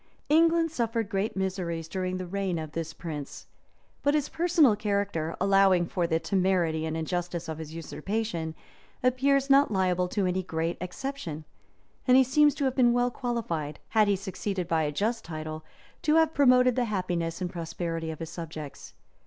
England suffered great miseries during the reign of this prince: but his personal character, allowing for the temerity and injustice of his usurpation, appears not liable to any great exception; and he seems to have been well qualified, had he succeeded by a just title, to have promoted the happiness and prosperity of his subjects.